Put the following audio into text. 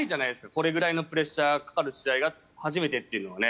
これぐらいプレッシャーがかかる試合初めてというのはね。